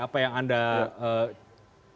apa yang anda catat dari situ